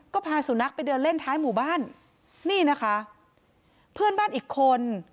ก็พาสุนัขไปเดินเล่นท้ายหมู่บ้านนี่นะคะเพื่อนบ้านอีกคน